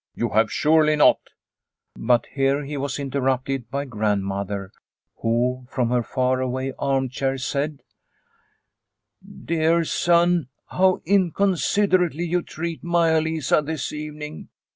" You have surely not ..." But here he was interrupted by grandmother, who, from her far away arm chair, said :" Dear son, how inconsiderately you treat Maia Lisa this evening.